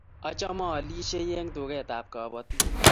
Achame aalisyei eng' tuget ap kabotik.